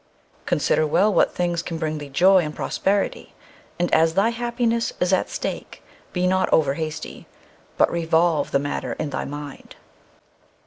Consider well what things can bring thee joy and prosperity, and as thy happiness is at stake, be not over hasty, but revolve the matter in thy mind."